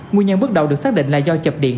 nguyên nhân bước đầu được xác định là do chập điện